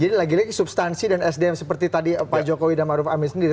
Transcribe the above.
jadi lagi lagi substansi dan sdm seperti tadi pak jokowi dan maruf amin sendiri